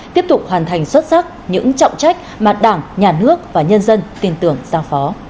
tiếp tục hoàn thành xuất sắc những trọng trách mà đảng nhà nước và nhân dân tin tưởng giao phó